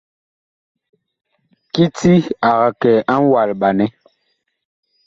Kiti ag kɛ a ŋwalɓanɛ.